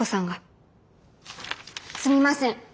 すみません。